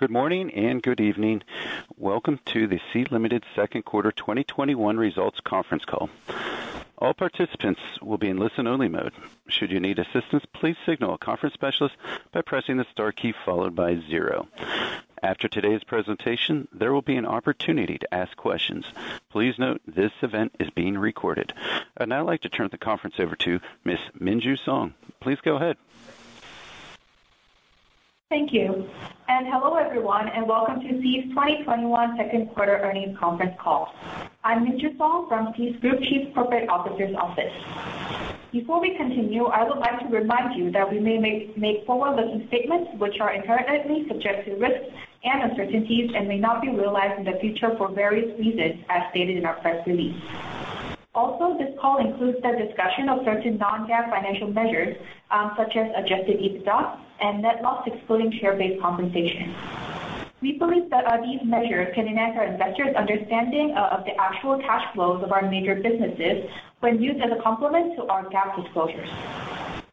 Good morning and good evening. Welcome to the Sea Limited second quarter 2021 results conference call. All participants will be in listen-only mode. Should you need assistance, please signal a conference specialist by pressing the star key followed by zero. After today's presentation, there will be an opportunity to ask questions. Please note this event is being recorded. I'd now like to turn the conference over to Ms. Minju Song. Please go ahead. Thank you. Hello everyone, and welcome to Sea's 2021 second quarter earnings conference call. I'm Minju Song from Sea's Group Chief Corporate Officer's office. Before we continue, I would like to remind you that we may make forward-looking statements, which are inherently subject to risks and uncertainties and may not be realized in the future for various reasons, as stated in our press release. This call includes the discussion of certain non-GAAP financial measures, such as adjusted EBITDA and net loss excluding share-based compensation. We believe that these measures can enhance our investors' understanding of the actual cash flows of our major businesses when used as a complement to our GAAP disclosures.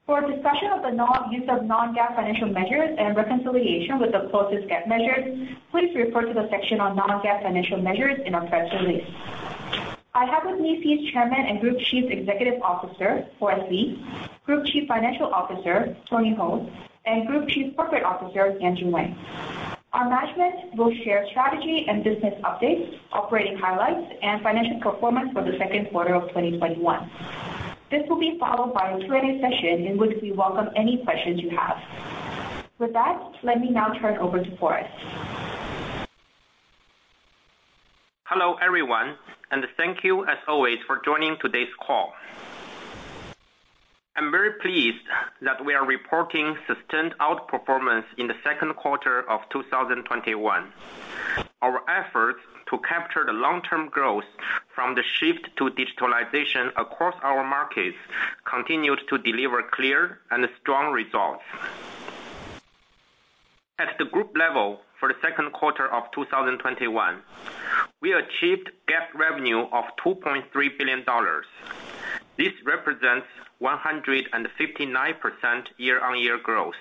For a discussion of the use of non-GAAP financial measures and reconciliation with the closest GAAP measures, please refer to the section on non-GAAP financial measures in our press release. I have with me Sea's Chairman and Group Chief Executive Officer, Forrest Li, Group Chief Financial Officer, Tony Hou, and Group Chief Corporate Officer, Yanjun Wang. Our management will share strategy and business updates, operating highlights, and financial performance for the second quarter of 2021. This will be followed by a Q&A session in which we welcome any questions you have. With that, let me now turn over to Forrest. Hello, everyone, and thank you as always for joining today's call. I'm very pleased that we are reporting sustained outperformance in the second quarter of 2021. Our efforts to capture the long-term growth from the shift to digitalization across our markets continued to deliver clear and strong results. At the group level, for the second quarter of 2021, we achieved GAAP revenue of $2.3 billion. This represents 159% year-on-year growth.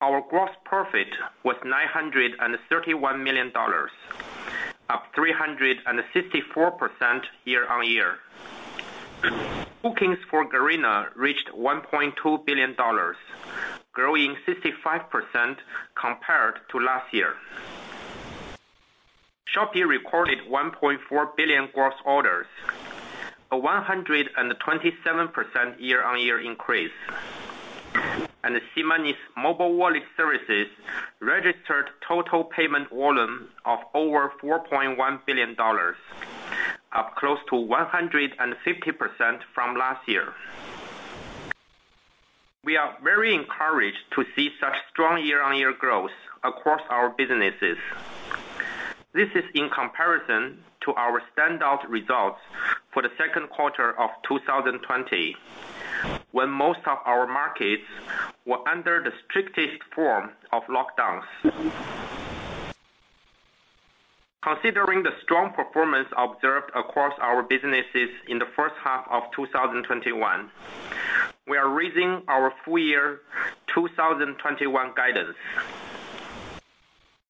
Our gross profit was $931 million, up 364% year-on-year. Bookings for Garena reached $1.2 billion, growing 65% compared to last year. Shopee recorded 1.4 billion gross orders, a 127% year-on-year increase. SeaMoney's mobile wallet services registered total payment volume of over $4.1 billion, up close to 150% from last year. We are very encouraged to see such strong year-on-year growth across our businesses. This is in comparison to our standout results for the second quarter of 2020, when most of our markets were under the strictest form of lockdowns. Considering the strong performance observed across our businesses in the first half of 2021, we are raising our full year 2021 guidance.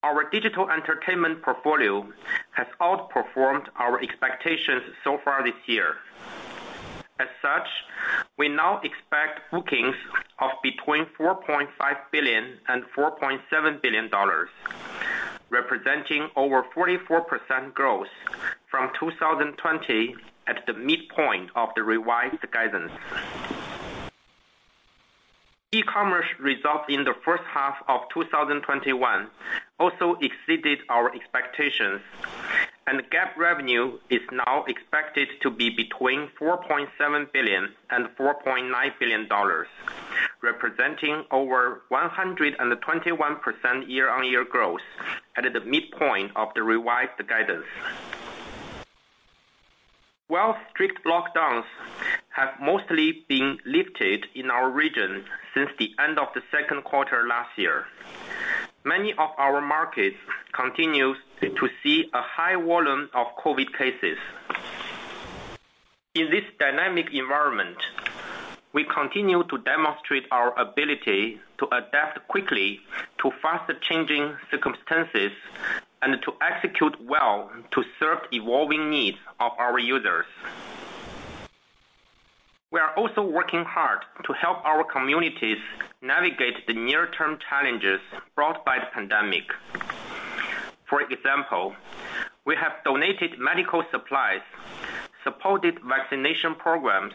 Our digital entertainment portfolio has outperformed our expectations so far this year. As such, we now expect bookings of between $4.5 billion and $4.7 billion, representing over 44% growth from 2020 at the midpoint of the revised guidance. E-commerce results in the first half of 2021 also exceeded our expectations, and GAAP revenue is now expected to be between $4.7 billion and $4.9 billion, representing over 121% year-on-year growth at the midpoint of the revised guidance. While strict lockdowns have mostly been lifted in our region since the end of the second quarter last year, many of our markets continue to see a high volume of COVID cases. In this dynamic environment, we continue to demonstrate our ability to adapt quickly to fast-changing circumstances and to execute well to serve evolving needs of our users. We are also working hard to help our communities navigate the near-term challenges brought by the pandemic. For example, we have donated medical supplies, supported vaccination programs,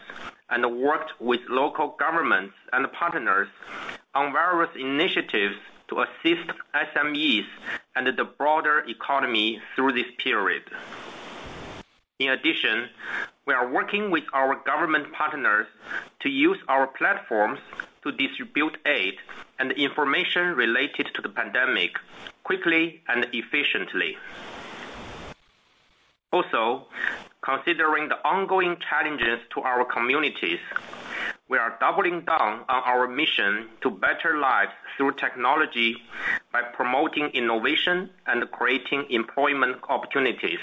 and worked with local governments and partners on various initiatives to assist SMEs and the broader economy through this period. In addition, we are working with our government partners to use our platforms to distribute aid and information related to the pandemic quickly and efficiently. Considering the ongoing challenges to our communities, we are doubling down on our mission to better lives through technology by promoting innovation and creating employment opportunities.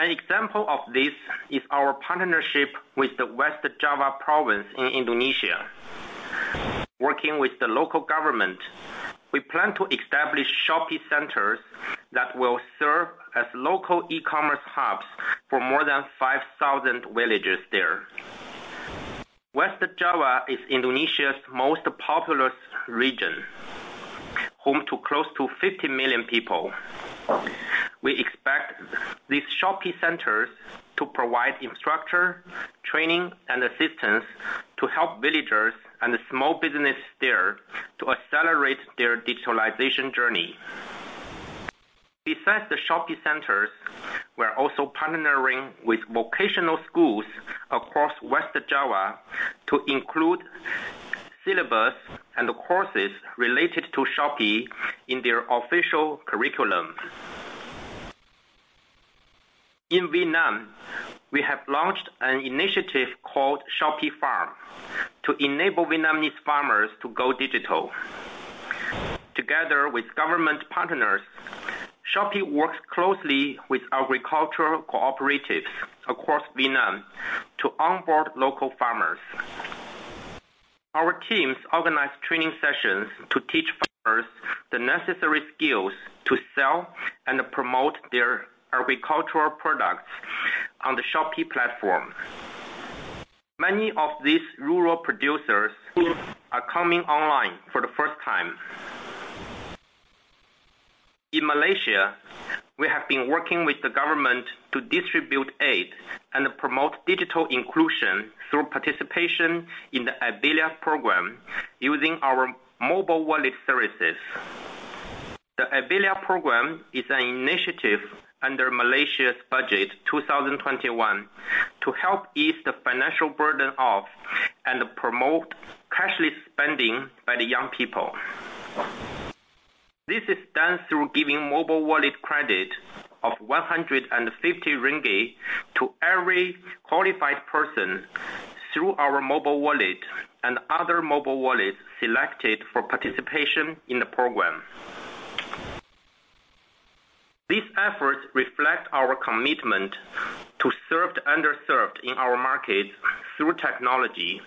An example of this is our partnership with the West Java province in Indonesia. Working with the local government, we plan to establish Shopee Centers that will serve as local e-commerce hubs for more than 5,000 villagers there. West Java is Indonesia's most populous region, home to close to 50 million people. We expect these Shopee Centers to provide instructor training and assistance to help villagers and the small business there to accelerate their digitalization journey. Besides the Shopee Centers, we're also partnering with vocational schools across West Java to include syllabus and courses related to Shopee in their official curriculum. In Vietnam, we have launched an initiative called Shopee Farm to enable Vietnamese farmers to go digital. Together with government partners, Shopee works closely with agricultural cooperatives across Vietnam to onboard local farmers. Our teams organize training sessions to teach farmers the necessary skills to sell and promote their agricultural products on the Shopee platform. Many of these rural producers who are coming online for the first time. In Malaysia, we have been working with the government to distribute aid and promote digital inclusion through participation in the eBelia program using our mobile wallet services. The eBelia program is an initiative under Malaysia's Budget 2021 to help ease the financial burden of and promote cashless spending by the young people. This is done through giving mobile wallet credit of 150 ringgit to every qualified person through our mobile wallet and other mobile wallets selected for participation in the program. These efforts reflect our commitment to serve the underserved in our markets through technology,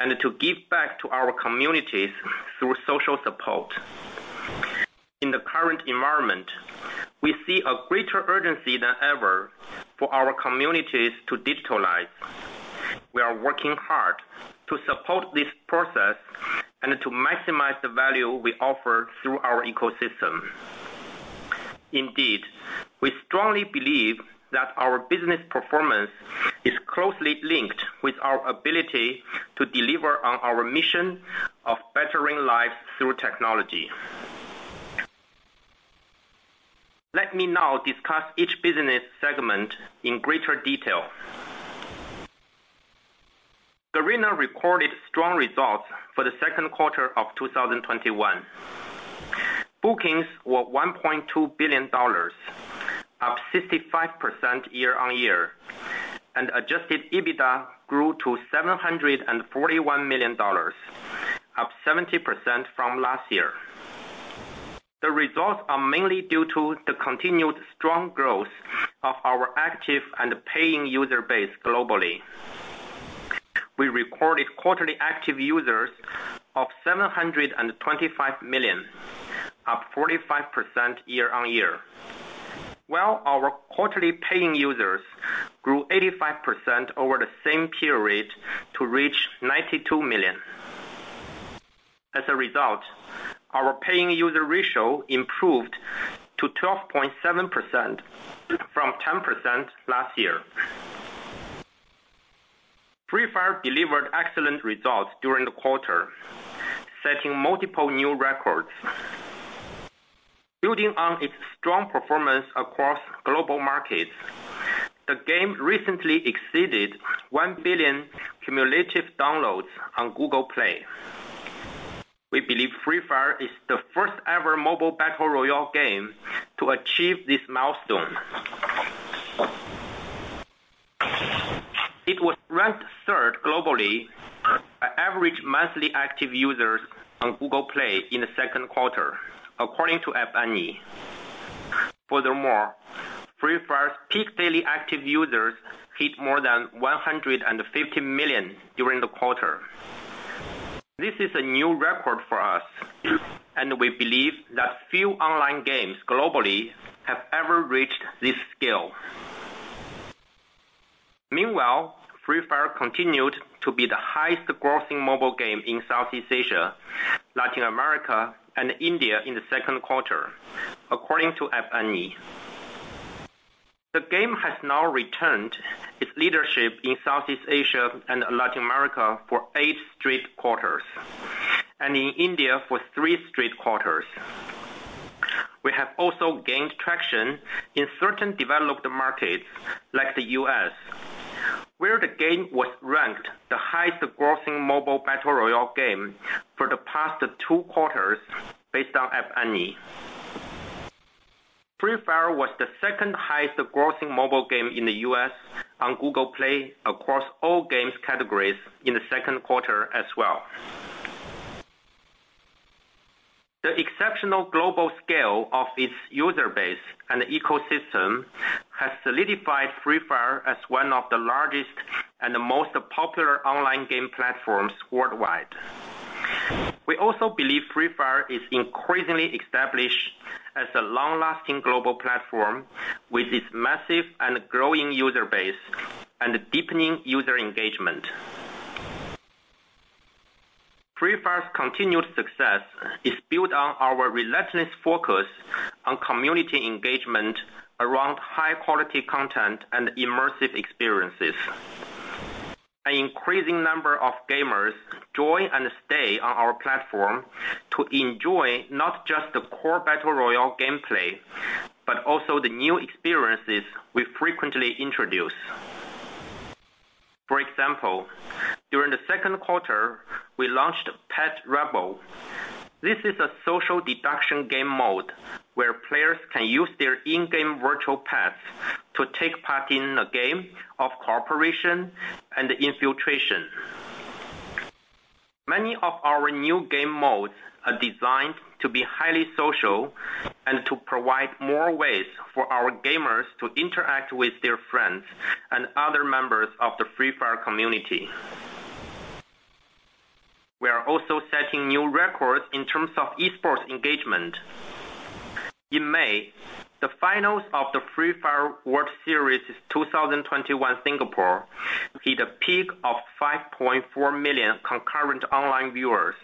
and to give back to our communities through social support. In the current environment, we see a greater urgency than ever for our communities to digitalize. We are working hard to support this process and to maximize the value we offer through our ecosystem. We strongly believe that our business performance is closely linked with our ability to deliver on our mission of bettering lives through technology. Let me now discuss each business segment in greater detail. Garena recorded strong results for the second quarter of 2021. Bookings were $1.2 billion, up 65% year-on-year. Adjusted EBITDA grew to $741 million, up 70% from last year. The results are mainly due to the continued strong growth of our active and paying user base globally. We recorded quarterly active users of 725 million, up 45% year-over-year, while our quarterly paying users grew 85% over the same period to reach 92 million. As a result, our paying user ratio improved to 12.7% from 10% last year. Free Fire delivered excellent results during the quarter, setting multiple new records. Building on its strong performance across global markets, the game recently exceeded one billion cumulative downloads on Google Play. We believe Free Fire is the first ever mobile battle royale game to achieve this milestone. It was ranked third globally by average monthly active users on Google Play in the second quarter, according to App Annie. Furthermore, Free Fire's peak daily active users hit more than 150 million during the quarter. This is a new record for us, and we believe that few online games globally have ever reached this scale. Meanwhile, Free Fire continued to be the highest grossing mobile game in Southeast Asia, Latin America, and India in the second quarter, according to App Annie. The game has now retained its leadership in Southeast Asia and Latin America for eight straight quarters, and in India for three straight quarters. We have also gained traction in certain developed markets like the U.S., where the game was ranked the highest grossing mobile battle royale game for the past two quarters based on App Annie. Free Fire was the second highest grossing mobile game in the U.S. on Google Play across all games categories in the second quarter as well. The exceptional global scale of its user base and ecosystem has solidified Free Fire as one of the largest and the most popular online game platforms worldwide. We also believe Free Fire is increasingly established as a long-lasting global platform with its massive and growing user base and deepening user engagement. Free Fire's continued success is built on our relentless focus on community engagement around high-quality content and immersive experiences. An increasing number of gamers join and stay on our platform to enjoy not just the core battle royale gameplay, but also the new experiences we frequently introduce. For example, during the second quarter, we launched Pet Rumble. This is a social deduction game mode where players can use their in-game virtual pets to take part in a game of cooperation and infiltration. Many of our new game modes are designed to be highly social and to provide more ways for our gamers to interact with their friends and other members of the Free Fire community. We are also setting new records in terms of esports engagement. In May, the finals of the Free Fire World Series 2021 Singapore hit a peak of 5.4 million concurrent online viewers,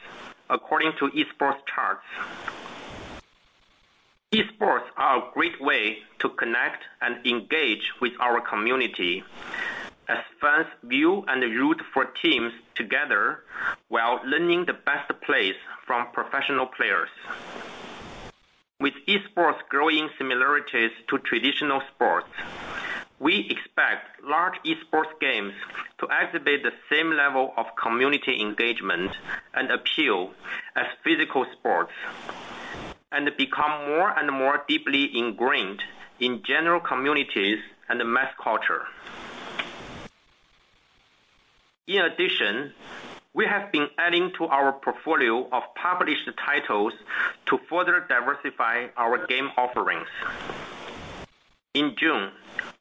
according to Esports Charts. Esports are a great way to connect and engage with our community as fans view and root for teams together while learning the best plays from professional players. With esports growing similarities to traditional sports, we expect large esports games to activate the same level of community engagement and appeal as physical sports, and become more and more deeply ingrained in general communities and mass culture. In addition, we have been adding to our portfolio of published titles to further diversify our game offerings. In June,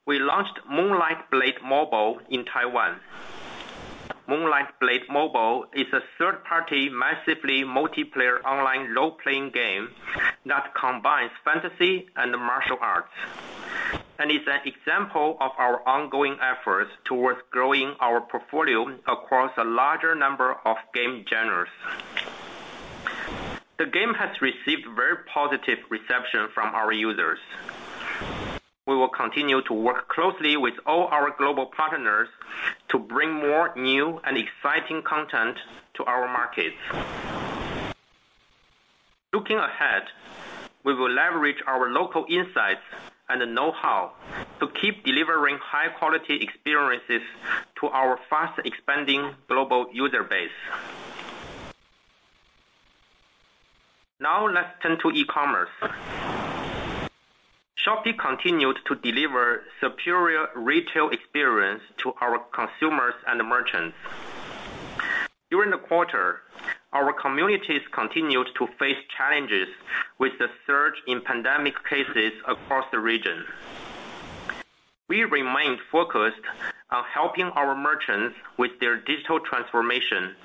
we launched Moonlight Blade Mobile in Taiwan. Moonlight Blade Mobile is a third-party, massively multiplayer online role-playing game that combines fantasy and martial arts and is an example of our ongoing efforts towards growing our portfolio across a larger number of game genres. The game has received very positive reception from our users. We will continue to work closely with all our global partners to bring more new and exciting content to our markets. Looking ahead, we will leverage our local insights and the know-how to keep delivering high-quality experiences to our fast-expanding global user base. Now let's turn to e-commerce. Shopee continued to deliver superior retail experience to our consumers and merchants. During the quarter, our communities continued to face challenges with the surge in pandemic cases across the region. We remained focused on helping our merchants with their digital transformation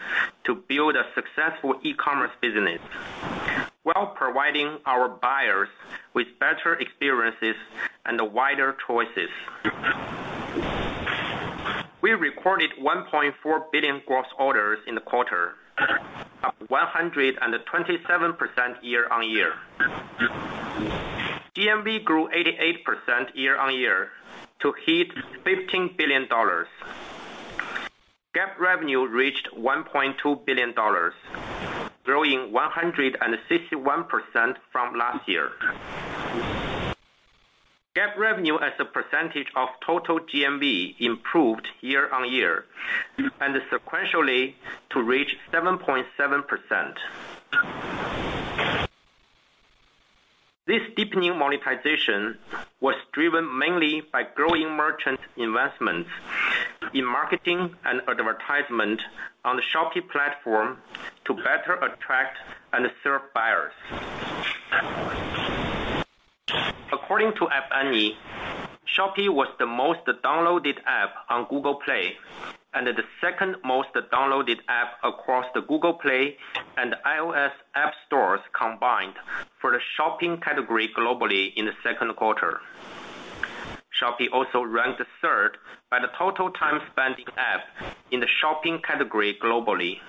to build a successful e-commerce business while providing our buyers with better experiences and wider choices. We recorded 1.4 billion gross orders in the quarter, up 127% year-on-year. GMV grew 88% year-on-year to hit $15 billion. GAAP revenue reached $1.2 billion, growing 161% from last year. GAAP revenue as a percentage of total GMV improved year-on-year and sequentially to reach 7.7%. This deepening monetization was driven mainly by growing merchant investment in marketing and advertisement on the Shopee platform to better attract and serve buyers. According to App Annie, Shopee was the most downloaded app on Google Play and the second most downloaded app across the Google Play and iOS app stores combined for the shopping category globally in the second quarter. Shopee also ranked third by the total time spent in app in the shopping category globally.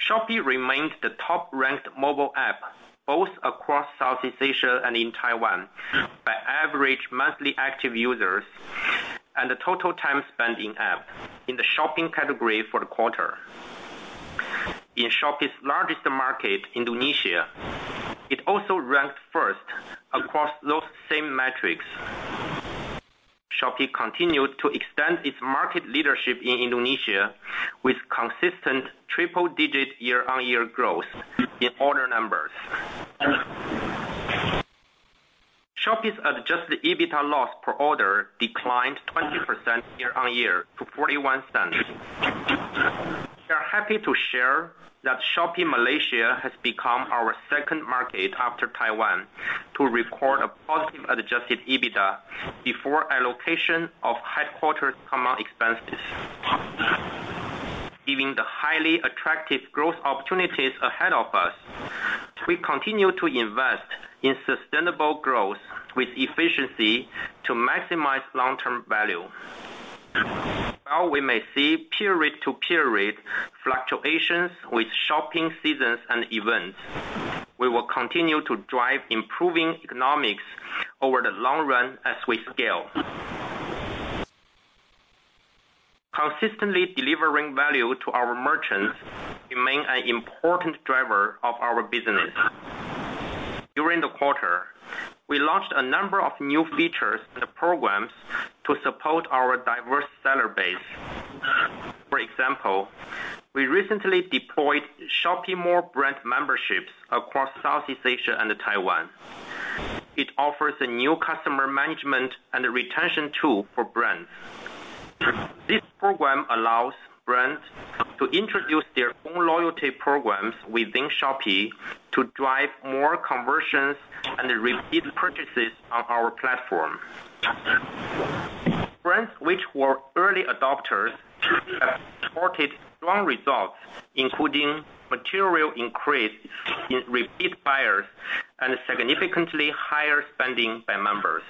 Shopee remained the top-ranked mobile app both across Southeast Asia and in Taiwan by average monthly active users and the total time spent in app in the shopping category for the quarter. In Shopee's largest market, Indonesia, it also ranked first across those same metrics. Shopee continued to extend its market leadership in Indonesia with consistent triple digit year-on-year growth in order numbers. Shopee's adjusted EBITDA loss per order declined 20% year-on-year to $0.41. We are happy to share that Shopee Malaysia has become our second market after Taiwan to record a positive adjusted EBITDA before allocation of headquarters common expenses. Given the highly attractive growth opportunities ahead of us, we continue to invest in sustainable growth with efficiency to maximize long-term value. While we may see period-to-period fluctuations with shopping seasons and events, we will continue to drive improving economics over the long run as we scale. Consistently delivering value to our merchants remain an important driver of our business. During the quarter, we launched a number of new features and programs to support our diverse seller base. For example, we recently deployed Shopee Mall brand memberships across Southeast Asia and Taiwan. It offers a new customer management and retention tool for brands. This program allows brands to introduce their own loyalty programs within Shopee to drive more conversions and repeat purchases on our platform. Brands which were early adopters have reported strong results, including material increase in repeat buyers and significantly higher spending by members.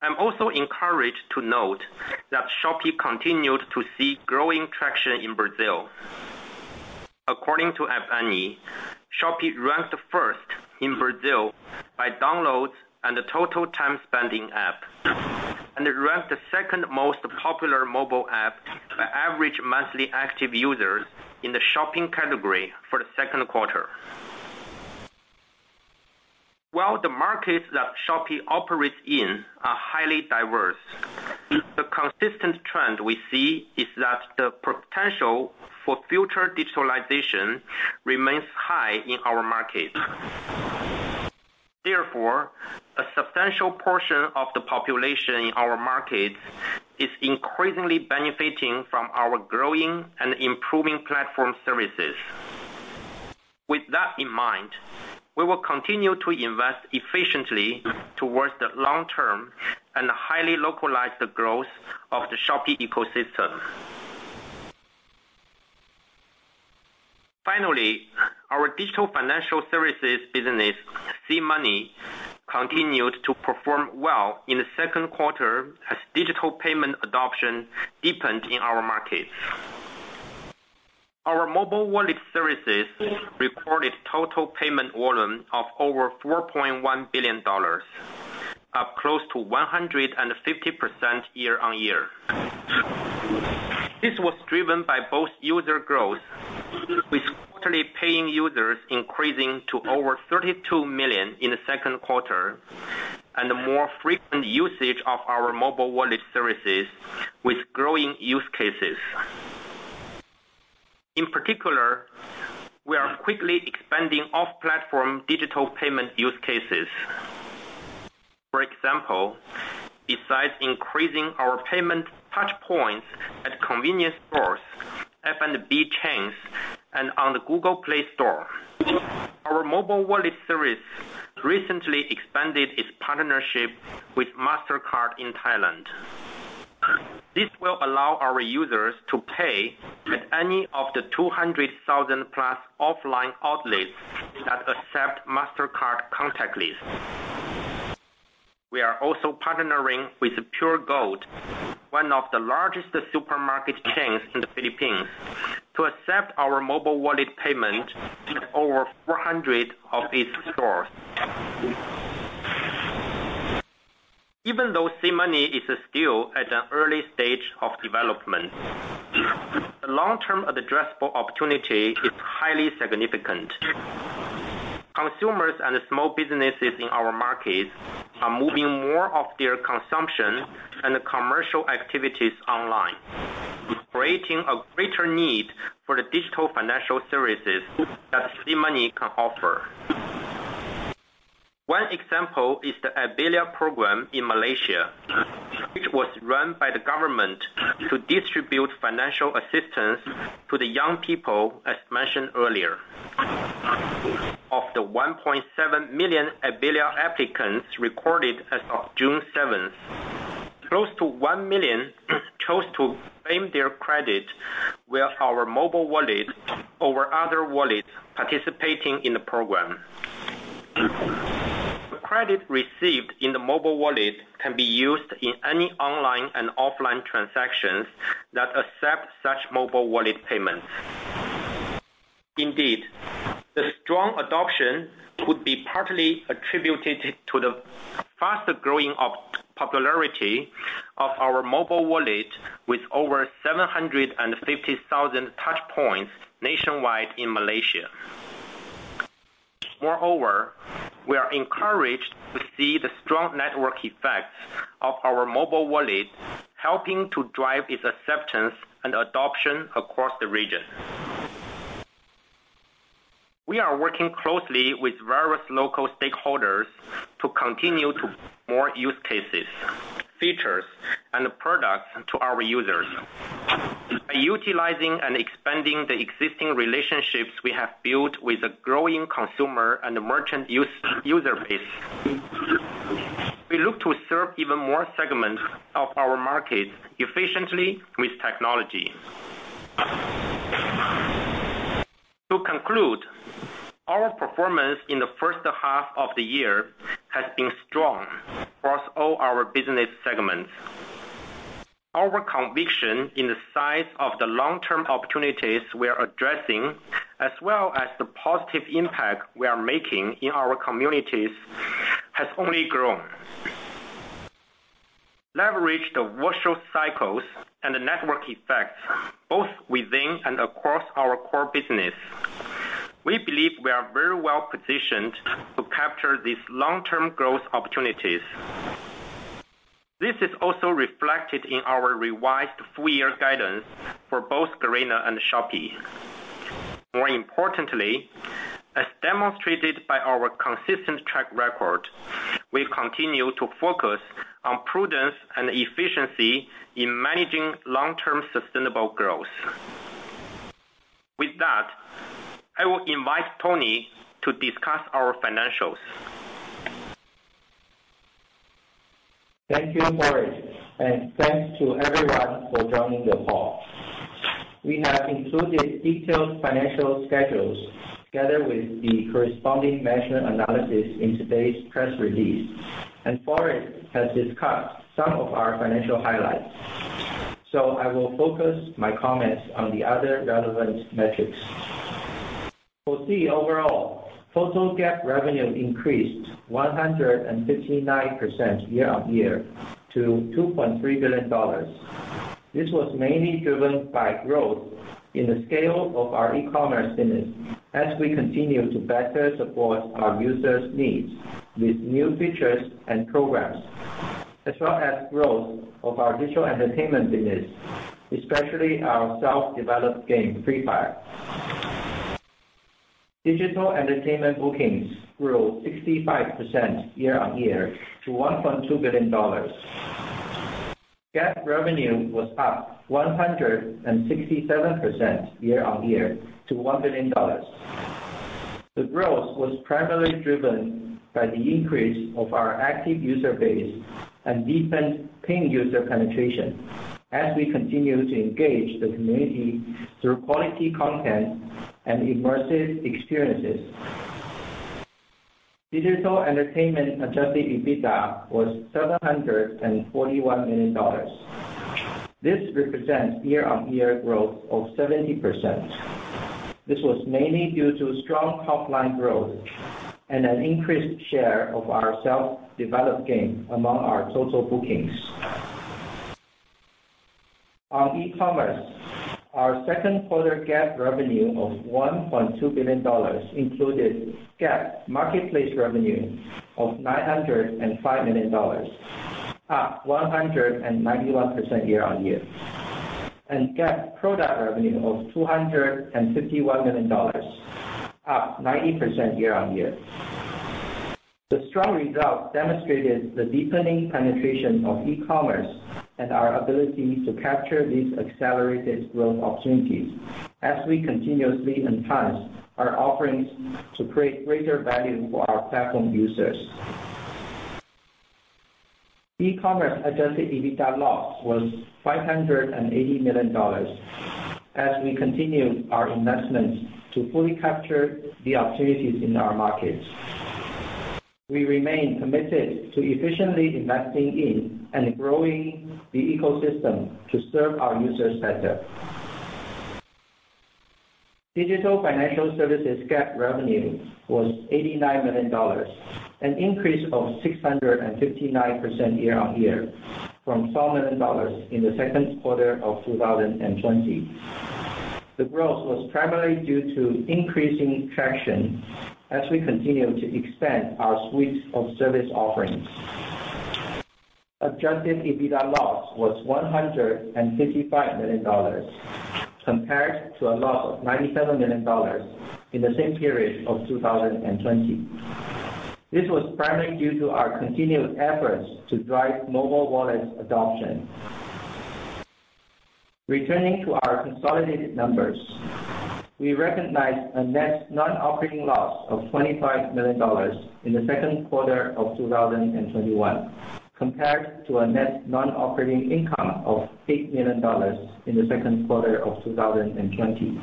I'm also encouraged to note that Shopee continued to see growing traction in Brazil. According to App Annie, Shopee ranked first in Brazil by downloads and the total time spent in app, and it ranked the second most popular mobile app by average monthly active users in the shopping category for the second quarter. While the markets that Shopee operates in are highly diverse, the consistent trend we see is that the potential for future digitalization remains high in our markets. Therefore, a substantial portion of the population in our markets is increasingly benefiting from our growing and improving platform services. With that in mind, we will continue to invest efficiently towards the long term and highly localize the growth of the Shopee ecosystem. Finally, our digital financial services business, SeaMoney, continued to perform well in the second quarter as digital payment adoption deepened in our markets. Our mobile wallet services recorded total payment volume of over $4.1 billion, up close to 150% year-on-year. This was driven by both user growth, with quarterly paying users increasing to over 32 million in the second quarter, and more frequent usage of our mobile wallet services with growing use cases. In particular, we are quickly expanding off-platform digital payment use cases. For example, besides increasing our payment touchpoints at convenience stores, F&B chains, and on the Google Play store, our mobile wallet service recently expanded its partnership with Mastercard in Thailand. This will allow our users to pay at any of the 200,000 plus offline outlets that accept Mastercard contactless. We are also partnering with Puregold, one of the largest supermarket chains in the Philippines, to accept our mobile wallet payment in over 400 of its stores. Even though SeaMoney is still at an early stage of development, the long-term addressable opportunity is highly significant. Consumers and small businesses in our markets are moving more of their consumption and commercial activities online, creating a greater need for the digital financial services that SeaMoney can offer. One example is the eBelia program in Malaysia, which was run by the government to distribute financial assistance to the young people, as mentioned earlier. Of the 1.7 million eBelia applicants recorded as of June 7th, close to one million chose to claim their credit with our mobile wallet over other wallets participating in the program. The credit received in the mobile wallet can be used in any online and offline transactions that accept such mobile wallet payments. Indeed, the strong adoption could be partly attributed to the faster-growing popularity of our mobile wallet with over 750,000 touchpoints nationwide in Malaysia. Moreover, we are encouraged to see the strong network effects of our mobile wallet, helping to drive its acceptance and adoption across the region. We are working closely with various local stakeholders to continue to more use cases, features, and products to our users. By utilizing and expanding the existing relationships we have built with a growing consumer and merchant user base, we look to serve even more segments of our markets efficiently with technology. To conclude, our performance in the first half of the year has been strong across all our business segments. Our conviction in the size of the long-term opportunities we are addressing, as well as the positive impact we are making in our communities, has only grown. Leverage the virtuous cycles and the network effects, both within and across our core business. We believe we are very well positioned to capture these long-term growth opportunities. This is also reflected in our revised full-year guidance for both Garena and Shopee. More importantly, as demonstrated by our consistent track record, we continue to focus on prudence and efficiency in managing long-term sustainable growth. With that, I will invite Tony to discuss our financials. Thank you, Forrest, and thanks to everyone for joining the call. We have included detailed financial schedules, together with the corresponding measured analysis in today's press release, and Forrest has discussed some of our financial highlights. I will focus my comments on the other relevant metrics. For Sea overall, total GAAP revenue increased 159% year-on-year to $2.3 billion. This was mainly driven by growth in the scale of our e-commerce business as we continue to better support our users' needs with new features and programs, as well as growth of our digital entertainment business, especially our self-developed game, Free Fire. Digital entertainment bookings grew 65% year-on-year to $1.2 billion. GAAP revenue was up 167% year-on-year to $1 billion. The growth was primarily driven by the increase of our active user base and deepened paying user penetration as we continue to engage the community through quality content and immersive experiences. Digital entertainment adjusted EBITDA was $741 million. This represents year-on-year growth of 70%. This was mainly due to strong top-line growth and an increased share of our self-developed game among our total bookings. On E-commerce, our second quarter GAAP revenue of $1.2 billion included GAAP marketplace revenue of $905 million, up 191% year-on-year. GAAP product revenue of $251 million, up 90% year-on-year. The strong results demonstrated the deepening penetration of E-commerce and our ability to capture these accelerated growth opportunities as we continuously enhance our offerings to create greater value for our platform users. E-commerce adjusted EBITDA loss was $580 million as we continue our investments to fully capture the opportunities in our markets. We remain committed to efficiently investing in and growing the ecosystem to serve our users better. Digital financial services GAAP revenue was $89 million, an increase of 659% year-on-year from $12 million in the second quarter of 2020. The growth was primarily due to increasing traction as we continue to expand our suite of service offerings. Adjusted EBITDA loss was $155 million compared to a loss of $97 million in the same period of 2020. This was primarily due to our continued efforts to drive mobile wallet adoption. Returning to our consolidated numbers, we recognized a net non-operating loss of $25 million in the second quarter of 2021 compared to a net non-operating income of $8 million in the second quarter of 2020.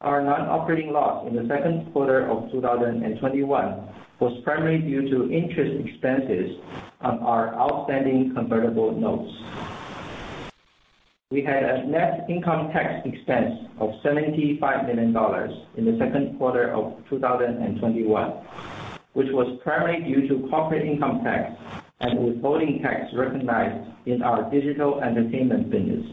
Our non-operating loss in the second quarter of 2021 was primarily due to interest expenses on our outstanding convertible notes. We had a net income tax expense of $75 million in the second quarter of 2021, which was primarily due to corporate income tax and withholding tax recognized in our digital entertainment business.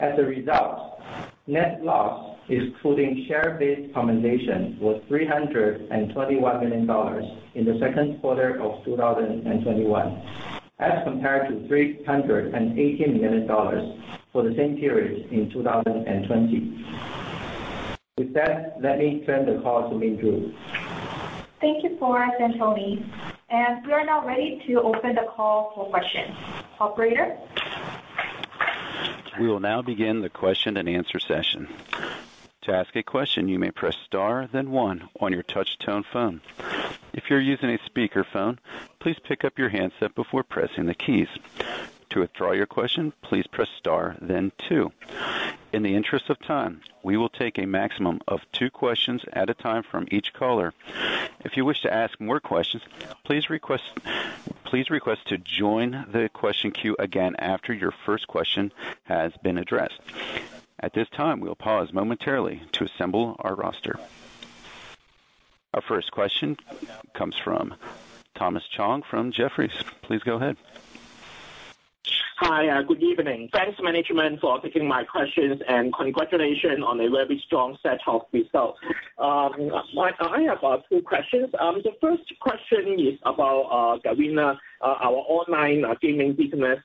As a result, net loss, excluding share-based compensation, was $321 million in the second quarter of 2021. As compared to $318 million for the same period in 2020. With that, let me turn the call to Minju Song. Thank you, Forrest and Tony. We are now ready to open the call for questions. Operator? We will now begin the question and answer session. In the interest of time, we will take a maximum of two questions at a time from each caller. If you wish to ask more questions, please request to join the question queue again after your first question has been addressed. At this time, we'll pause momentarily to assemble our roster. Our first question comes from Thomas Chong from Jefferies. Please go ahead. Hi. Good evening. Thanks, management, for taking my questions. Congratulations on a very strong set of results. I have two questions. The first question is about Garena, our online gaming business.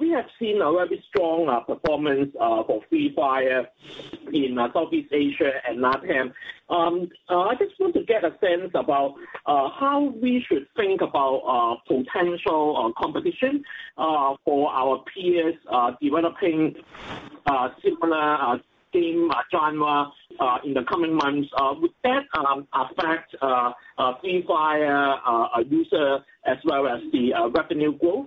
We have seen a very strong performance for Free Fire in Southeast Asia and LATAM. I just want to get a sense about how we should think about potential competition for our peers developing similar game genre in the coming months. Would that affect Free Fire user as well as the revenue growth?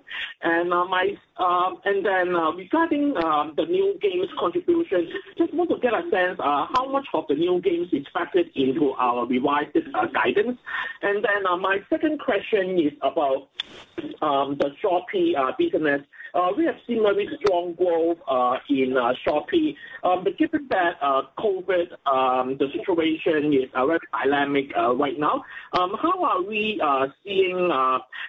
Regarding the new games contribution, just want to get a sense how much of the new games is factored into our revised guidance. My second question is about the Shopee business. We have seen very strong growth in Shopee. Given that COVID, the situation is very dynamic right now, how are we seeing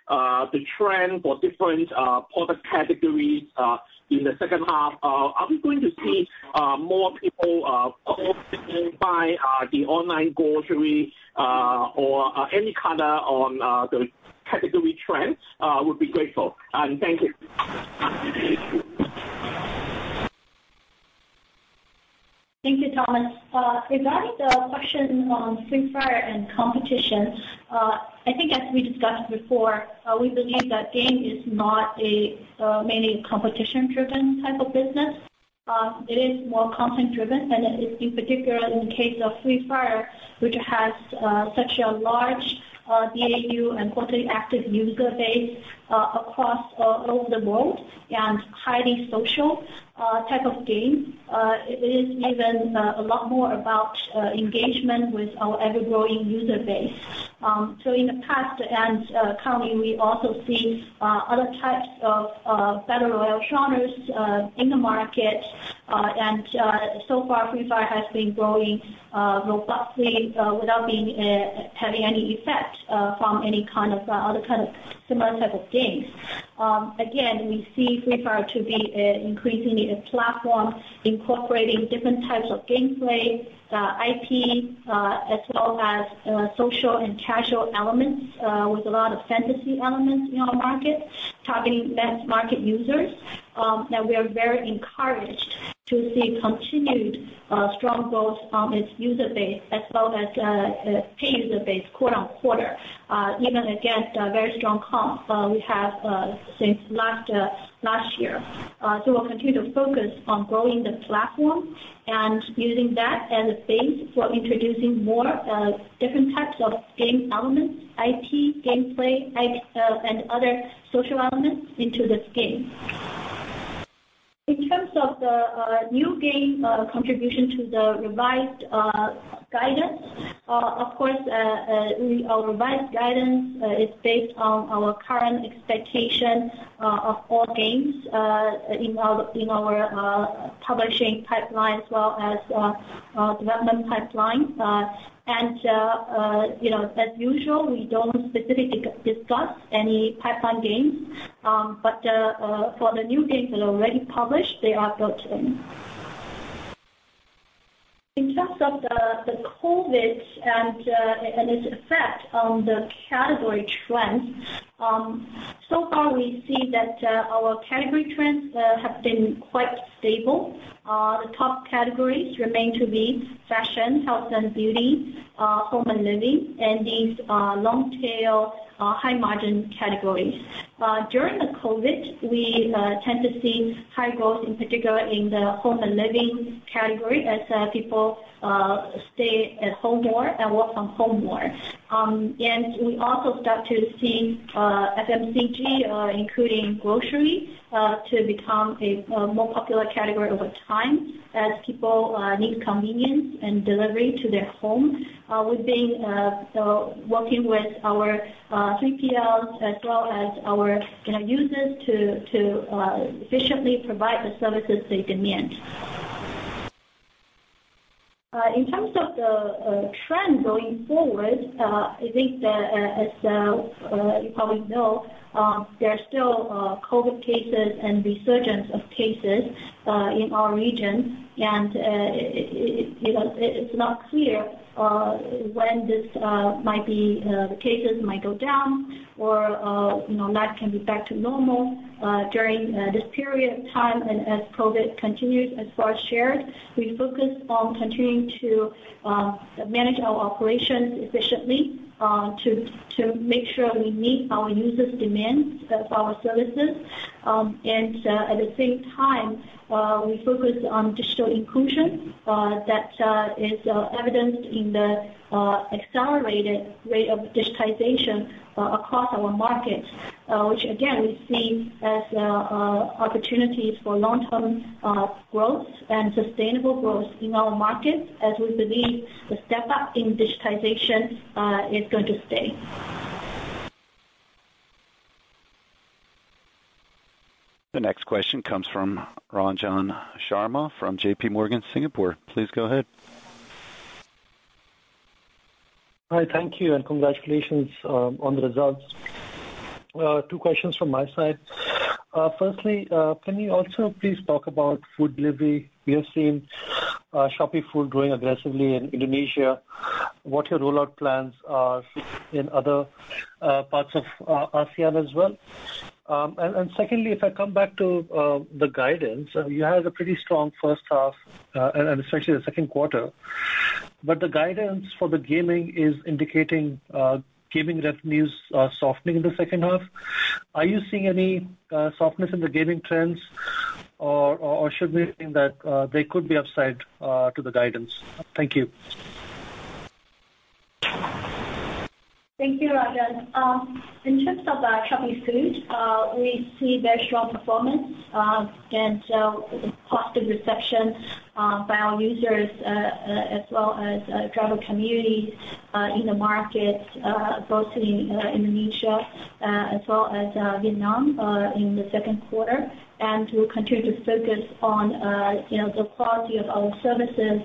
the trend for different product categories in the second half? Are we going to see more people buying the online grocery, or any color on the category trend? Would be grateful. Thank you. Thank you, Thomas. Regarding the question on Free Fire and competition, I think as we discussed before, we believe that game is not a mainly competition-driven type of business. It is more content driven, and in particular, in the case of Free Fire, which has such a large DAU and quarterly active user base across all over the world and highly social type of game, it is even a lot more about engagement with our ever-growing user base. In the past and currently, we also see other types of battle royale genres in the market. So far Free Fire has been growing robustly without having any effect from any other kind of similar type of games. Again, we see Free Fire to be increasingly a platform incorporating different types of gameplay, IP, as well as social and casual elements with a lot of fantasy elements in our market, targeting mass market users. We are very encouraged to see continued strong growth on its user base as well as paid user base quarter-on-quarter, even against very strong comp we have since last year. We'll continue to focus on growing the platform and using that as a base for introducing more different types of game elements, IP, gameplay, and other social elements into this game. In terms of the new game contribution to the revised guidance, of course, our revised guidance is based on our current expectation of all games in our publishing pipeline as well as development pipeline. As usual, we don't specifically discuss any pipeline games. For the new games that are already published, they are built in. In terms of the COVID and its effect on the category trends, so far we see that our category trends have been quite stable. The top categories remain to be fashion, health and beauty, home and living, and these long tail high margin categories. During the COVID, we tend to see high growth, in particular in the home and living category as people stay at home more and work from home more. We also start to see FMCG, including grocery, to become a more popular category over time as people need convenience and delivery to their home. We've been working with our 3PLs as well as our users to efficiently provide the services they demand. In terms of the trend going forward, I think that as you probably know, there are still COVID cases and resurgence of cases in our region. It's not clear when the cases might go down or life can be back to normal. During this period of time, and as COVID continues, as far as shared, we focus on continuing to manage our operations efficiently to make sure we meet our users' demands of our services. At the same time, we focus on digital inclusion that is evidenced in the accelerated rate of digitization across our markets, which again, we see as opportunities for long-term growth and sustainable growth in our markets, as we believe the step up in digitization is going to stay. The next question comes from Ranjan Sharma from JPMorgan Singapore. Please go ahead. Hi, thank you, and congratulations on the results. Two questions from my side. Firstly, can you also please talk about food delivery? We have seen ShopeeFood growing aggressively in Indonesia. What your rollout plans are in other parts of ASEAN as well? Secondly, if I come back to the guidance, you had a pretty strong first half, and especially the second quarter, but the guidance for the gaming is indicating gaming revenues are softening in the second half. Are you seeing any softness in the gaming trends or should we think that they could be upside to the guidance? Thank you. Thank you, Ranjan. In terms of ShopeeFood, we see very strong performance and positive reception by our users, as well as driver community in the markets, both in Indonesia as well as Vietnam in the second quarter. We'll continue to focus on the quality of our services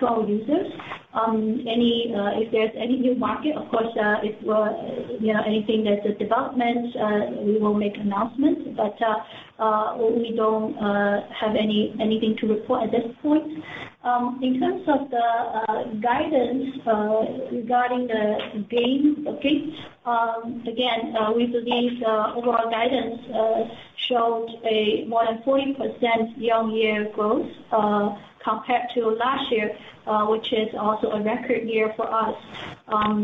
to our users. If there's any new market, of course, anything that is development, we will make announcements. We don't have anything to report at this point. In terms of the guidance regarding the games, okay. Again, we believe the overall guidance showed a more than 40% year-on-year growth compared to last year, which is also a record year for us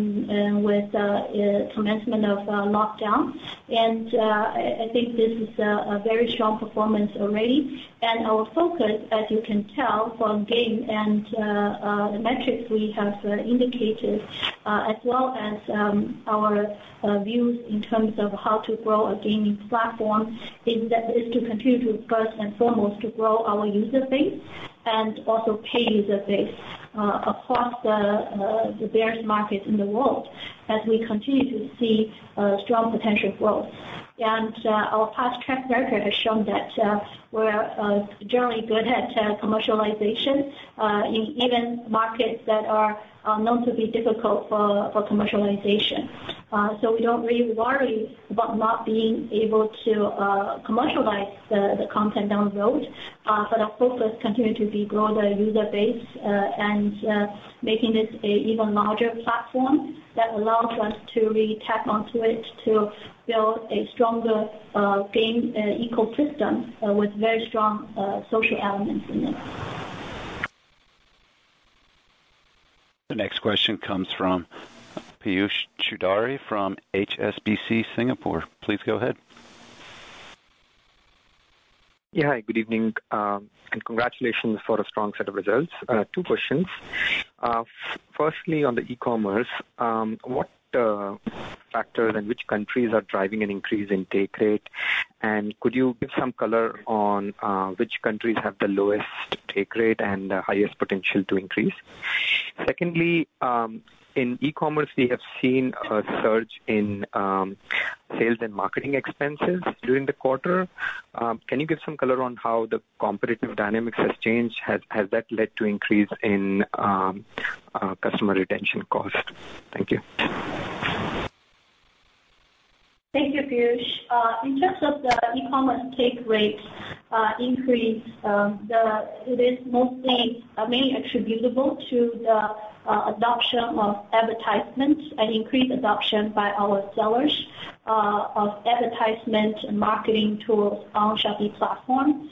with the commencement of lockdown. I think this is a very strong performance already. Our focus, as you can tell from game and the metrics we have indicated, as well as our views in terms of how to grow a gaming platform, is to continue to first and foremost, to grow our user base and also pay user base across the various markets in the world as we continue to see strong potential growth. Our past track record has shown that we're generally good at commercialization, in even markets that are known to be difficult for commercialization. We don't really worry about not being able to commercialize the content down the road. Our focus continue to be grow the user base, and making this an even larger platform that allows us to really tap onto it to build a stronger game ecosystem with very strong social elements in it. The next question comes from Piyush Choudhary from HSBC Singapore. Please go ahead. Hi, good evening, and congratulations for a strong set of results. Two questions. Firstly, on the e-commerce, what factors and which countries are driving an increase in take rate? Could you give some color on which countries have the lowest take rate and the highest potential to increase? Secondly, in e-commerce, we have seen a surge in sales and marketing expenses during the quarter. Can you give some color on how the competitive dynamics has changed? Has that led to increase in customer retention cost? Thank you. Thank you, Piyush. In terms of the e-commerce take rates increase, it is mainly attributable to the adoption of advertisements and increased adoption by our sellers of advertisement marketing tools on Shopee platform.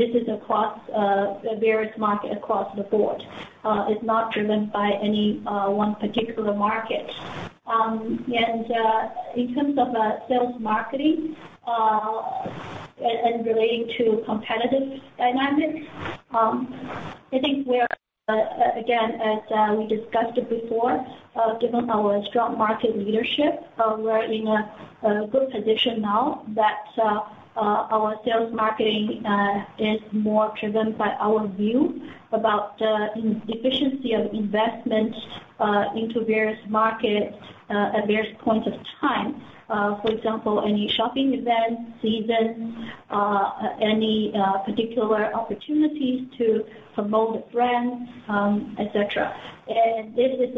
This is across the various market across the board. It's not driven by any one particular market. In terms of sales marketing and relating to competitive dynamics, I think we're, again, as we discussed it before given our strong market leadership, we're in a good position now that our sales marketing is more driven by our view about the efficiency of investment into various markets at various points of time. For example, any shopping event, season, any particular opportunities to promote the brand, et cetera. This is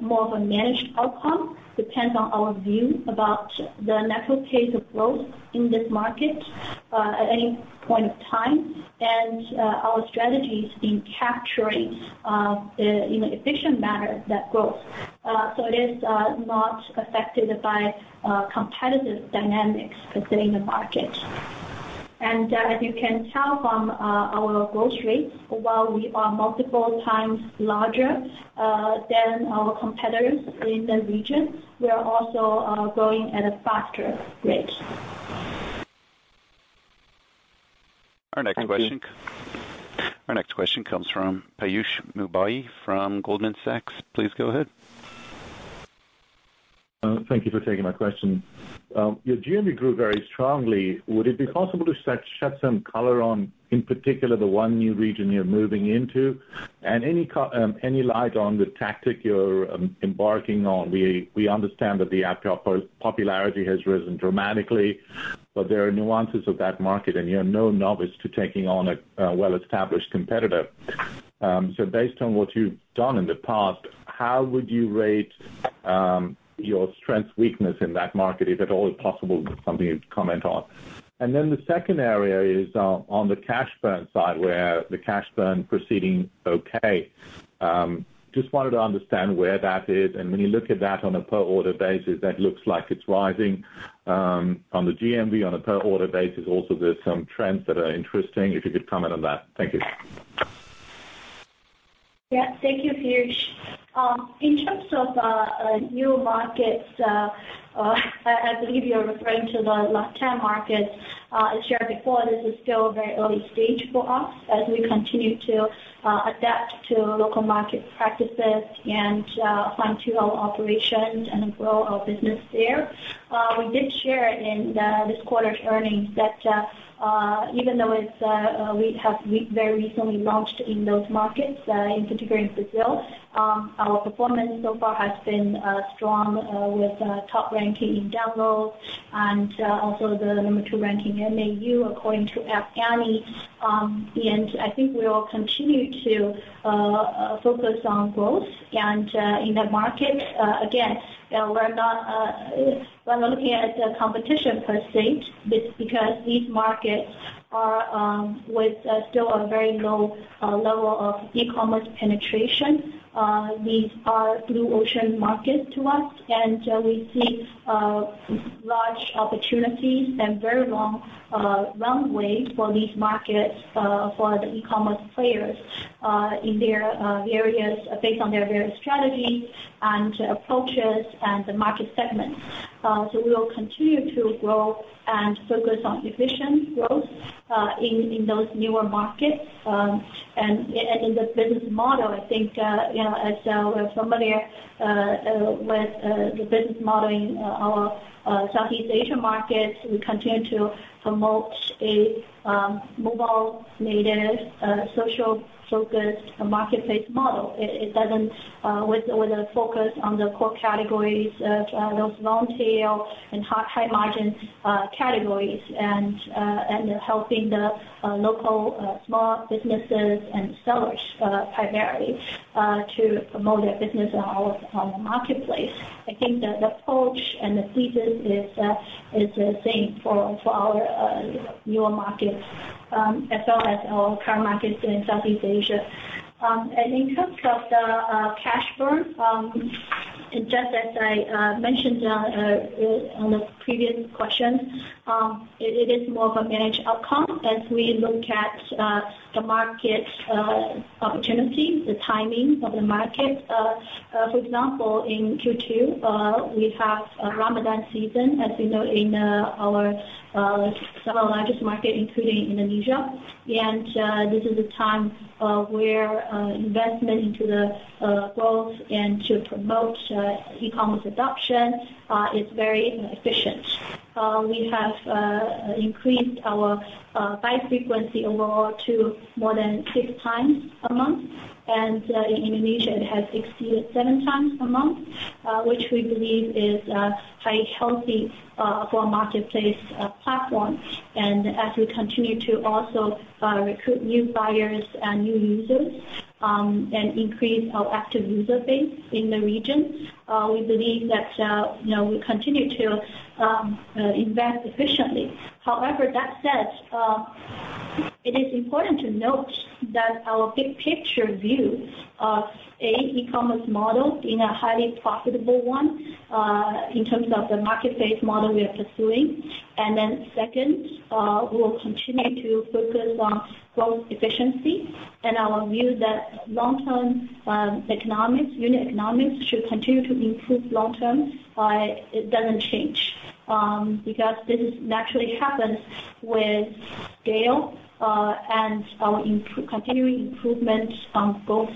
more of a managed outcome, depends on our view about the natural pace of growth in this market at any point of time. Our strategy is in capturing in an efficient manner that growth. It is not affected by competitive dynamics within the market. As you can tell from our growth rate, while we are multiple times larger than our competitors in the region, we are also growing at a faster rate. Our next question comes from Piyush Mubayi from Goldman Sachs. Please go ahead. Thank you for taking my question. Your GMV grew very strongly. Would it be possible to shed some color on, in particular, the one new region you're moving into, and any light on the tactic you're embarking on? We understand that the app popularity has risen dramatically, there are nuances of that market, and you're no novice to taking on a well-established competitor. Based on what you've done in the past, how would you rate your strengths, weakness in that market, if at all possible, something you'd comment on? The second area is on the cash burn side, where the cash burn proceeding okay. Just wanted to understand where that is. When you look at that on a per order basis, that looks like it's rising. On the GMV, on a per order basis also there's some trends that are interesting, if you could comment on that. Thank you. Yeah. Thank you, Piyush. In terms of new markets, I believe you're referring to the LatAm markets. As shared before, this is still very early stage for us as we continue to adapt to local market practices and fine-tune our operations and grow our business there. We did share in this quarter's earnings that even though we have very recently launched in those markets, in particular in Brazil, our performance so far has been strong with a top ranking in download and also the number two ranking in MAU, according to App Annie. I think we will continue to focus on growth and in the market. Again, we're not looking at the competition per se. It's because these markets are with still a very low level of e-commerce penetration. These are blue ocean markets to us, and we see large opportunities and very long runways for these markets for the e-commerce players based on their various strategies and approaches and the market segment. We will continue to grow and focus on efficient growth in those newer markets. In the business model, I think as we're familiar with the business model in our Southeast Asia markets, we continue to promote a mobile-native, social-focused marketplace model with a focus on the core categories, those long tail and high margin categories, and helping the local small businesses and sellers primarily to promote their business on the marketplace. I think the approach and the thesis is the same for our newer markets as well as our current markets in Southeast Asia. In terms of the cash burn, just as I mentioned on the previous question, it is more of a managed outcome as we look at the market opportunity, the timing of the market. For example, in Q2, we have Ramadan season, as you know, in our several largest markets, including Indonesia. This is a time where investment into the growth and to promote e-commerce adoption is very efficient. We have increased our buy frequency overall to more than six times a month, and in Indonesia it has exceeded seven times a month, which we believe is quite healthy for a marketplace platform. As we continue to also recruit new buyers and new users and increase our active user base in the region, we believe that we continue to invest efficiently. That said, it is important to note that our big picture view of e-commerce model being a highly profitable one in terms of the market-based model we are pursuing. Second, we will continue to focus on growth efficiency and our view that long-term unit economics should continue to improve long term. It doesn't change, because this naturally happens with scale and our continuing improvement on growth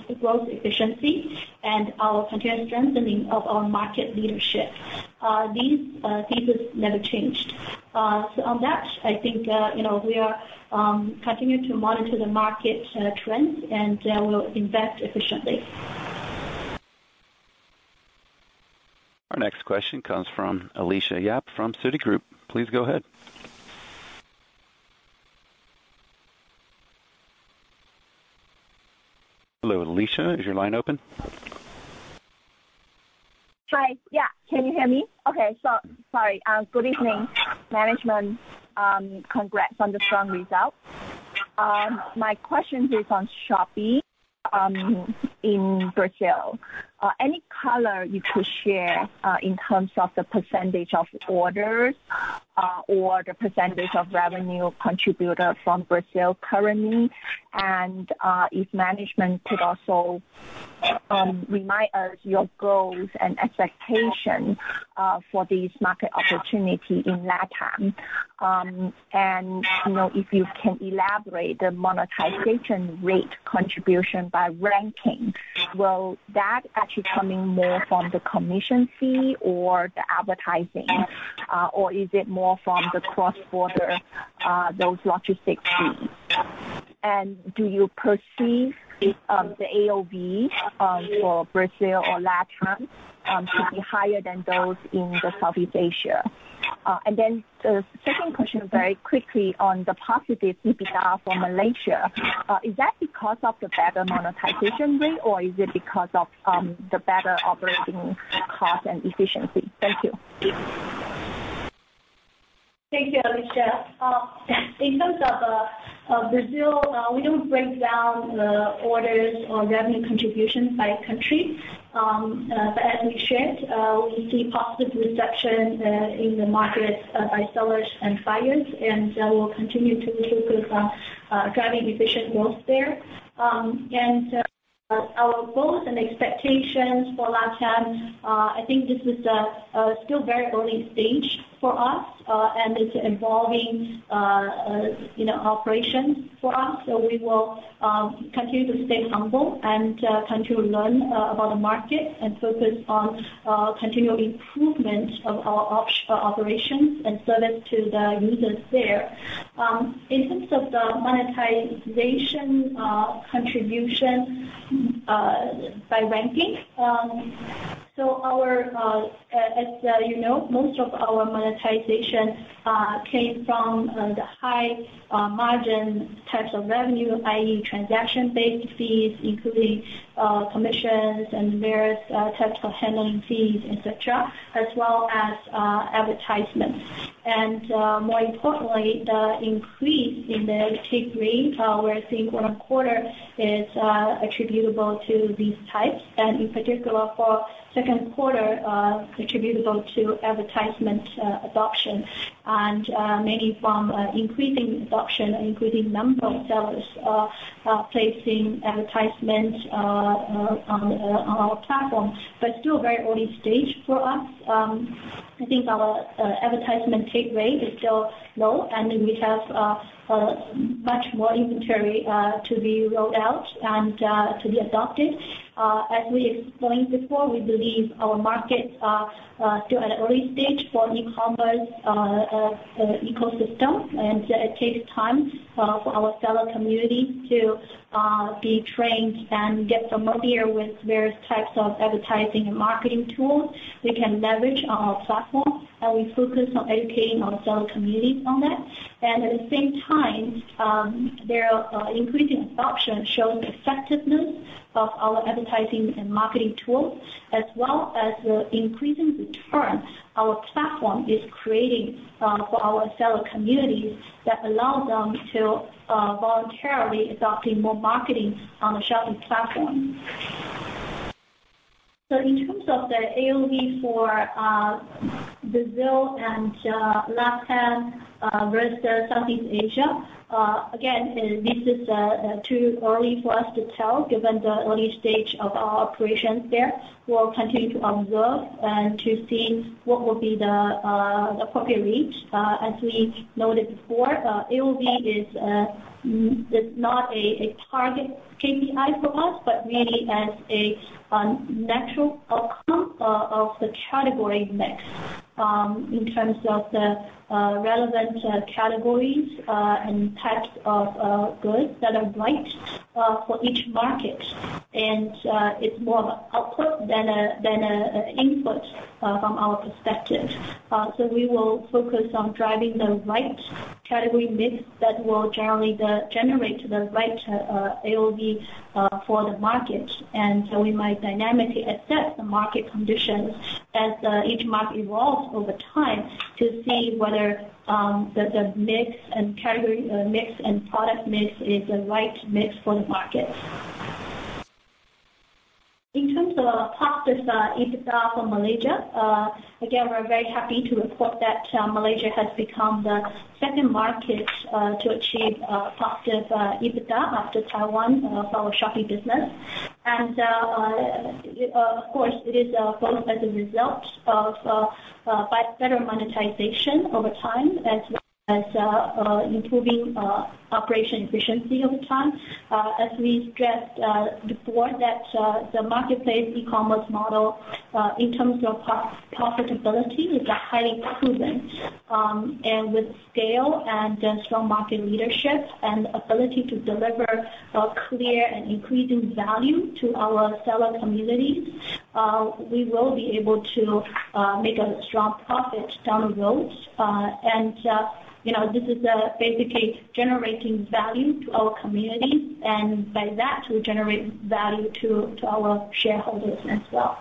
efficiency and our continued strengthening of our market leadership. This has never changed. On that, I think we are continuing to monitor the market trend, and we'll invest efficiently. Our next question comes from Alicia Yap from Citigroup. Please go ahead. Hello, Alicia, is your line open? Hi. Yeah. Can you hear me? Okay. Sorry. Good evening, management. Congrats on the strong results. My question is on Shopee in Brazil. Any color you could share in terms of the percentage of orders or the percentage of revenue contributed from Brazil currently? If management could also remind us your goals and expectations for this market opportunity in LatAm. If you can elaborate the monetization rate contribution by ranking, will that actually coming more from the commission fee or the advertising, or is it more from the cross-border, those logistics fees? Do you perceive the AOV for Brazil or LatAm to be higher than those in the Southeast Asia? Then the second question, very quickly on the positive EBITDA for Malaysia. Is that because of the better monetization rate, or is it because of the better operating cost and efficiency? Thank you. Thank you, Alicia Yap. In terms of Brazil, we don't break down the orders or revenue contributions by country. As we shared, we see positive reception in the market by sellers and buyers, and we'll continue to focus on driving efficient growth there. Our goals and expectations for LatAm, I think this is still very early stage for us, it's involving operations for us, we will continue to stay humble and continue to learn about the market and focus on continual improvement of our operations and service to the users there. In terms of the monetization contribution by ranking, as you know, most of our monetization came from the high margin types of revenue, i.e., transaction based fees, including commissions and various types of handling fees, et cetera, as well as advertisements. More importantly, the increase in the take rate we're seeing quarter on quarter is attributable to these types, and in particular for second quarter, attributable to advertisement adoption and mainly from increasing adoption, including number of sellers placing advertisements on our platform. Still very early stage for us. I think our advertisement take rate is still low, and we have much more inventory to be rolled out and to be adopted. As we explained before, we believe our markets are still at early stage for e-commerce ecosystem, and it takes time for our seller community to be trained and get familiar with various types of advertising and marketing tools they can leverage on our platform, and we focus on educating our seller community on that. At the same time, their increasing adoption shows the effectiveness of our advertising and marketing tools, as well as the increasing return our platform is creating for our seller community that allow them to voluntarily adopting more marketing on the Shopee platform. In terms of the AOV for Brazil and LatAm versus Southeast Asia, again, this is too early for us to tell given the early stage of our operations there. We'll continue to observe and to see what will be the appropriate reach. As we noted before, AOV is not a target KPI for us, but really as a natural outcome of the category mix in terms of the relevant categories and types of goods that are right for each market. It's more of an output than an input from our perspective. We will focus on driving the right category mix that will generate the right AOV for the market. We might dynamically assess the market conditions as each market evolves over time to see whether the mix and category mix and product mix is the right mix for the market. In terms of positive EBITDA for Malaysia, again, we're very happy to report that Malaysia has become the second market to achieve positive EBITDA after Taiwan for our Shopee business. Of course, it is both as a result of better monetization over time as well as improving operation efficiency over time. As we stressed before that the marketplace e-commerce model in terms of profitability is a highly proven. With scale and strong market leadership and ability to deliver a clear and increasing value to our seller community, we will be able to make a strong profit down the road. This is basically generating value to our community, and by that, to generate value to our shareholders as well.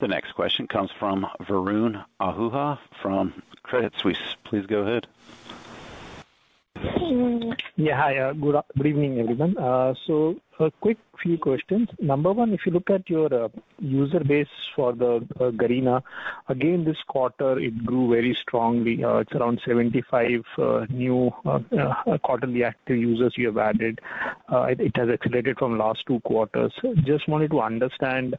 The next question comes from Varun Ahuja from Credit Suisse. Please go ahead. Hi, good evening, everyone. A quick few questions. Number one, if you look at your user base for the Garena, again, this quarter it grew very strongly. It's around 75 new quarterly active users you have added. It has accelerated from last two quarters. Just wanted to understand,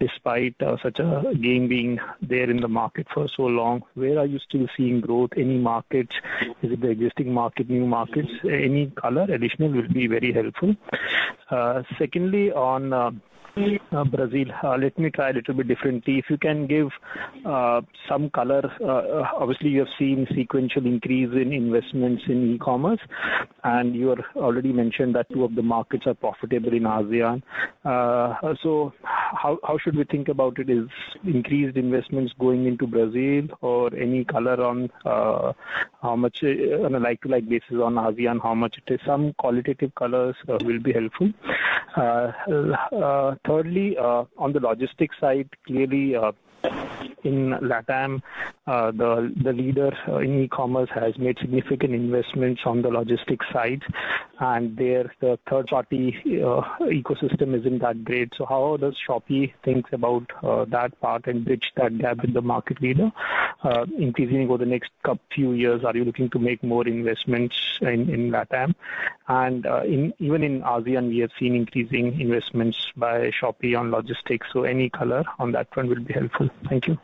despite such a game being there in the market for so long, where are you still seeing growth? Any markets? Is it the existing market? New markets? Any color additional will be very helpful. Secondly, on Brazil, let me try a little bit differently. If you can give some color. Obviously, you have seen sequential increase in investments in e-commerce, you are already mentioned that two of the markets are profitable in ASEAN. How should we think about it? Is increased investments going into Brazil or any color on a like-to-like basis on ASEAN, how much it is? Some qualitative colors will be helpful. Thirdly, on the logistics side, clearly, in LATAM, the leader in e-commerce has made significant investments on the logistics side, and their third-party ecosystem isn't that great. How does Shopee think about that part and bridge that gap with the market leader? Increasing over the next few years, are you looking to make more investments in LATAM? Even in ASEAN, we have seen increasing investments by Shopee on logistics. Any color on that front would be helpful. Thank you.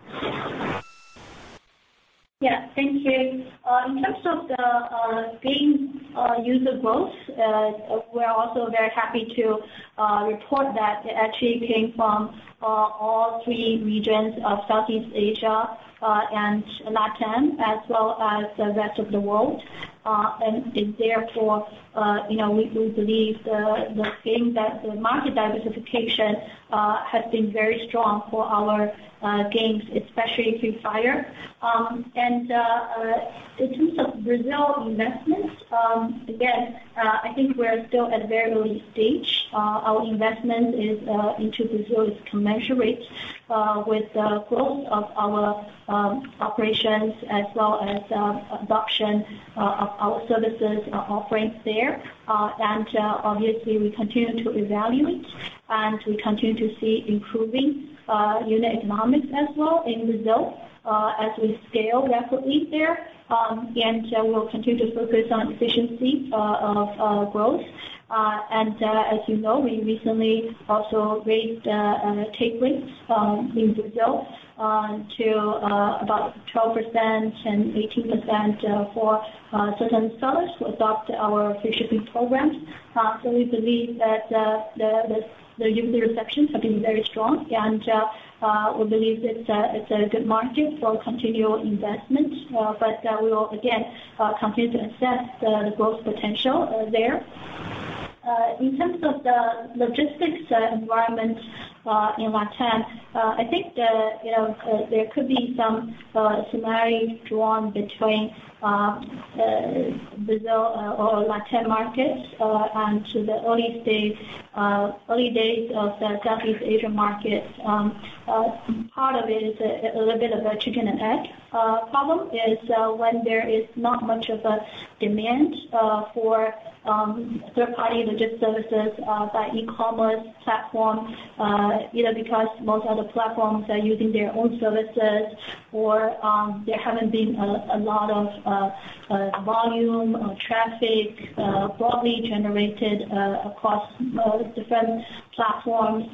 Yeah, thank you. In terms of the game user growth, we're also very happy to report that it actually came from all three regions of Southeast Asia and LATAM as well as the rest of the world. Therefore, we believe the market diversification has been very strong for our games, especially Free Fire. In terms of Brazil investments, again, I think we're still at very early stage. Our investment into Brazil is commensurate with the growth of our operations as well as adoption of our services offerings there. Obviously, we continue to evaluate, and we continue to see improving unit economics as well in Brazil as we scale rapidly there. We'll continue to focus on efficiency of growth. As you know, we recently also raised take rates in Brazil to about 12% and 18% for certain sellers who adopt our free shipping programs. We believe that the user reception have been very strong, and we believe it's a good market for continual investment. We will, again, continue to assess the growth potential there. In terms of the logistics environment in LATAM, I think there could be some similarity drawn between Brazil or LATAM markets and to the early days of the Southeast Asian market. Part of it is a little bit of a chicken and egg problem, is when there is not much of a demand for third-party logistics services by e-commerce platform either because most of the platforms are using their own services or there haven't been a lot of volume or traffic broadly generated across different platforms,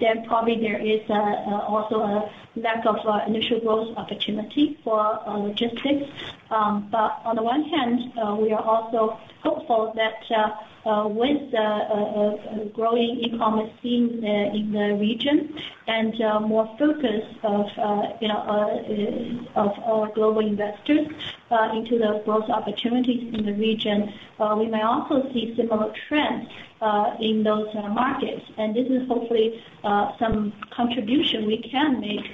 then probably there is also a lack of initial growth opportunity for logistics. On the one hand, we are also hopeful that with the growing e-commerce scene in the region and more focus of our global investors into the growth opportunities in the region, we may also see similar trends in those markets. This is hopefully some contribution we can make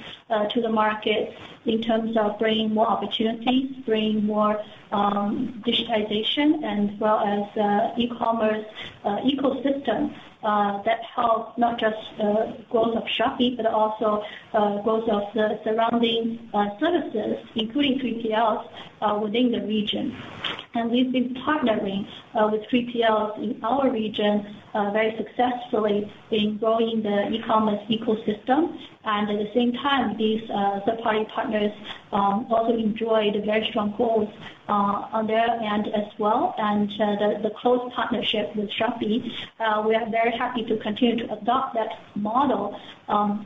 to the market in terms of bringing more opportunities, bringing more digitization and as well as e-commerce ecosystem that helps not just growth of Shopee, but also growth of surrounding services, including 3PLs within the region. We've been partnering with 3PLs in our region very successfully in growing the e-commerce ecosystem. At the same time, these third party partners also enjoy the very strong growth on their end as well and the close partnership with Shopee. We are very happy to continue to adopt that model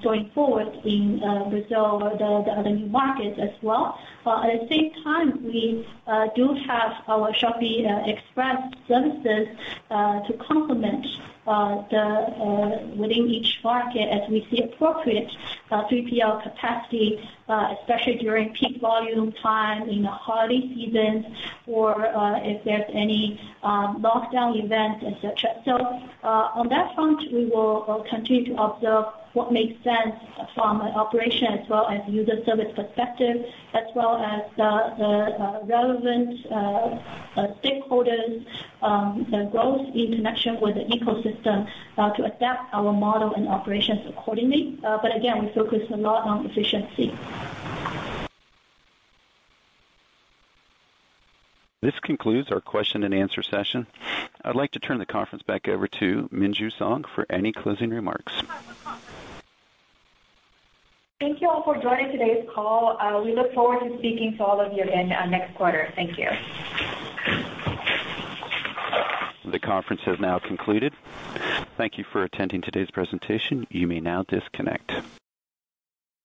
going forward in Brazil or the other new markets as well. At the same time, we do have our Shopee Express services to complement within each market as we see appropriate 3PL capacity, especially during peak volume time in the holiday seasons or if there's any lockdown event, et cetera. On that front, we will continue to observe what makes sense from an operation as well as user service perspective, as well as the relevant stakeholders, the growth in connection with the ecosystem to adapt our model and operations accordingly. Again, we focus a lot on efficiency. This concludes our question and answer session. I'd like to turn the conference back over to Minju Song for any closing remarks. Thank you all for joining today's call. We look forward to speaking to all of you again next quarter. Thank you. The conference has now concluded. Thank you for attending today's presentation. You may now disconnect.